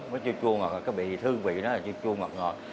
nó chưa chua ngọt cái hương vị nó chưa chua ngọt ngọt